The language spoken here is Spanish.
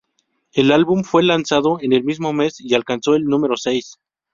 El álbum fue lanzado en el mismo mes, y alcanzó el número seis.